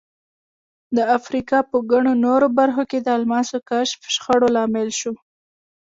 د افریقا په ګڼو نورو برخو کې د الماسو کشف شخړو لامل شو.